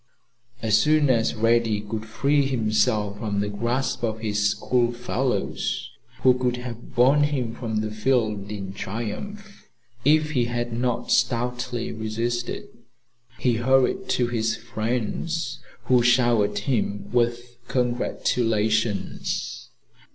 As soon as Reddy could free himself from the grasp of his school fellows, who would have borne him from the field in triumph if he had not stoutly resisted, he hurried to his friends, who showered him with congratulations.